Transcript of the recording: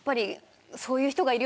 そういう人がいる。